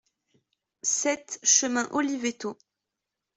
sept chemin Olivetto